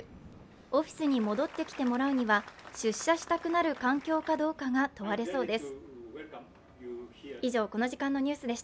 オフィスに戻ってきてもらうには出社したくなる環境かどうかが問われそうです。